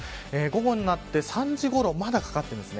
午後になって３時ごろ、まだかかっています。